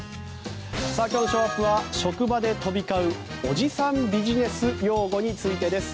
今日のショーアップは職場で飛び交うおじさんビジネス用語についてです。